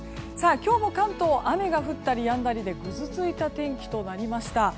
今日も関東雨が降ったりやんだりでぐずついた天気となりました。